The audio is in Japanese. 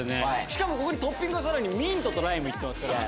しかもここにトッピングがさらにミントとライムいってますから。